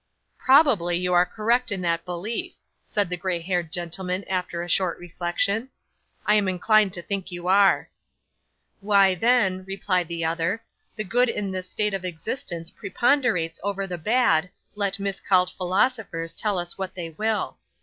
'Possibly you are correct in that belief,' said the grey haired gentleman after a short reflection. 'I am inclined to think you are.' 'Why, then,' replied the other, 'the good in this state of existence preponderates over the bad, let miscalled philosophers tell us what they will.